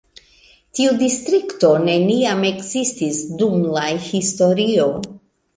Tiu distrikto neniam ekzistis dum la historio.